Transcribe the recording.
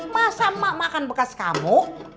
masa mak makan bekas kamu